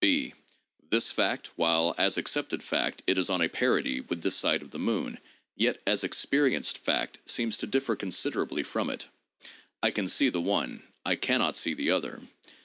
... (6) This fact, while as accepted fact it is on a parity with this side of the moon, yet as experienced fact seems to differ considerably from it. I can see the one; I can not see the other.